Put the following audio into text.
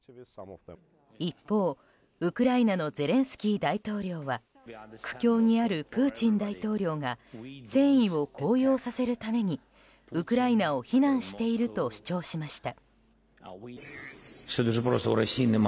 一方、ウクライナのゼレンスキー大統領は苦境にあるプーチン大統領が戦意を高揚させるためにウクライナを非難していると主張しました。